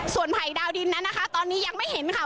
ส่วนไผ่ดาวดินนั้นนะคะตอนนี้ยังไม่เห็นค่ะ